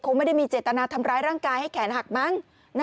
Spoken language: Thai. ไม่ได้มีเจตนาทำร้ายร่างกายให้แขนหักมั้ง